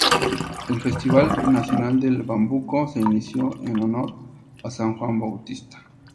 El Festival Nacional del Bambuco se inició en honor a San Juan Bautista.